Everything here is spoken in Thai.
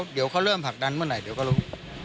เดี๋ยวเขาเริ่มผลักดันเมื่อไหร่เดี๋ยวก็รู้